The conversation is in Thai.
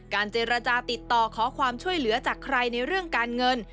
เจรจาติดต่อขอความช่วยเหลือจากใครในเรื่องการเงิน